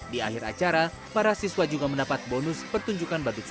di akhir acara para siswa juga mendapat bonus pertunjukan batik